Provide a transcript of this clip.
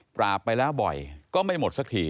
ไปแล้วบ่อยก็ไม่หมดสักที